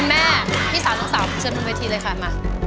คุณแม่พี่สาวลูกสาวเชิญลุงวิธีเลยค่ะมา